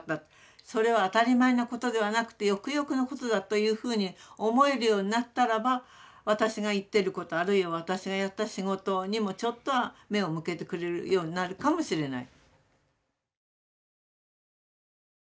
それは当たり前のことではなくてよくよくのことだというふうに思えるようになったらば私が言ってることあるいは私がやった仕事にもちょっとは目を向けてくれるようになるかもしれない。